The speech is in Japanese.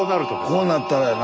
こうなったらやな。